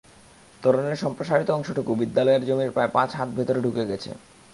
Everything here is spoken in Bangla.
তোরণের সম্প্রসারিত অংশটুকু বিদ্যালয়ের জমির প্রায় পাঁচ হাত ভেতরে ঢুকে গেছে।